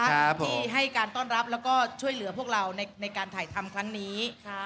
ที่ให้การต้อนรับแล้วก็ช่วยเหลือพวกเราในการถ่ายทำครั้งนี้